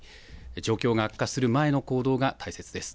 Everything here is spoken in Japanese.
状況が悪化する前の行動が大切です。